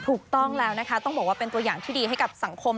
ถูกต้องแล้วนะคะต้องบอกว่าเป็นตัวอย่างที่ดีให้กับสังคม